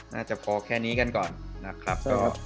น่าจะพอแค่นี้กันก่อนนะครับ